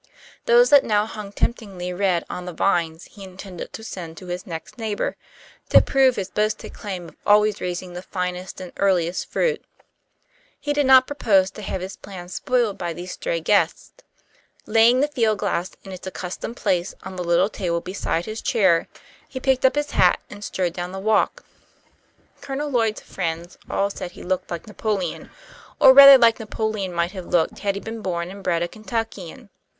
Those that now hung temptingly red on the vines he intended to send to his next neighbour, to prove his boasted claim of always raising the finest and earliest fruit. He did not propose to have his plans spoiled by these stray guests. Laying the field glass in its accustomed place on the little table beside his chair, he picked up his hat and strode down the walk. Colonel Lloyd's friends all said he looked like Napoleon, or rather like Napoleon might have looked had he been born and bred a Kentuckian.